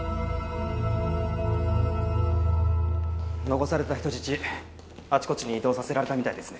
残された人質、あちこちに移動させられたみたいですね。